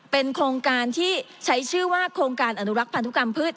เป็นโครงการที่ใช้ชื่อว่าโครงการอนุรักษ์พันธุกรรมพืช